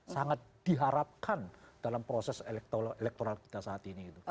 sangat diharapkan dalam proses elektoral kita saat ini